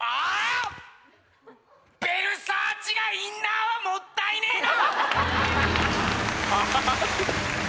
ヴェルサーチがインナーはもったいねえな！